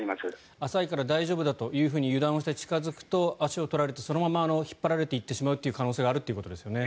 浅いから大丈夫だと油断して近付くと足を取られてそのまま引っ張られてしまう可能性があるということですね。